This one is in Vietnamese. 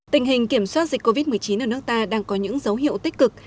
tình hình kiểm soát dịch covid một mươi chín ở nước ta đang có những dấu hiệu tích cực